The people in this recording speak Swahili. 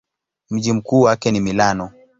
Mji mkuu wake ni Milano.